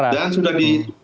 dan sudah di